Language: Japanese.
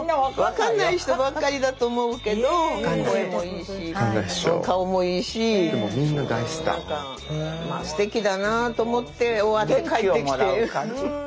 分かんない人ばっかりだと思うけど声もいいし顔もいいしすてきだなと思って終わって帰ってきて。